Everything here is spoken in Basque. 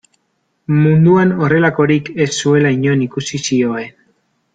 Munduan horrelakorik ez zuela inon ikusi zioen.